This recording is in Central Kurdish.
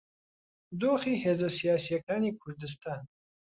دۆخی هێزە سیاسییەکانی کوردستان